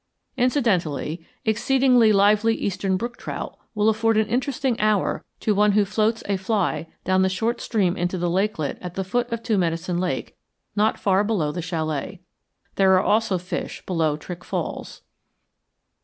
Incidentally, exceedingly lively Eastern brook trout will afford an interesting hour to one who floats a fly down the short stream into the lakelet at the foot of Two Medicine Lake not far below the chalet. There are also fish below Trick Falls.